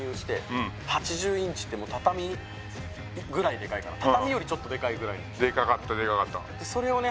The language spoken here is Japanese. はいはい８０インチってもう畳ぐらいデカいから畳よりちょっとデカいぐらいのデカかったデカかったそれをね